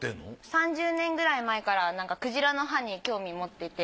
３０年くらい前からクジラの歯に興味持ってて。